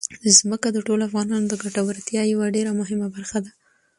ځمکه د ټولو افغانانو د ګټورتیا یوه ډېره مهمه برخه ده.